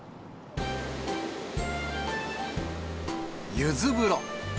ゆず風呂。